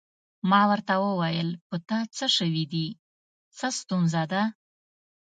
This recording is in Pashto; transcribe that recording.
ما ورته وویل: په تا څه شوي دي؟ څه ستونزه ده؟